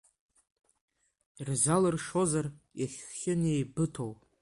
Ирзалыршозар иахьынеибыҭоу…